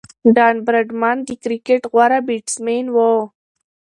ډان براډمن د کرکټ غوره بیټسمېن وو.